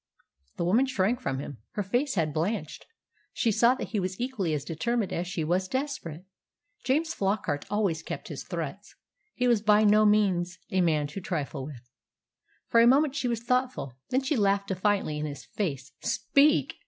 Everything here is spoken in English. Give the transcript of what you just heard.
The woman shrank from him. Her face had blanched. She saw that he was equally as determined as she was desperate. James Flockart always kept his threats. He was by no means a man to trifle with. For a moment she was thoughtful, then she laughed defiantly in his face. "Speak!